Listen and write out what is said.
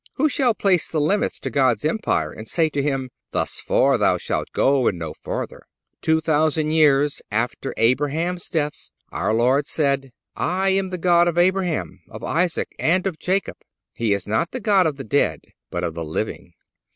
Who shall place the limits to God's empire and say to Him: "Thus far Thou shalt go and no farther?" Two thousand years after Abraham's death our Lord said: "I am the God of Abraham, of Isaac, and of Jacob. He is not the God of the dead, but of the living."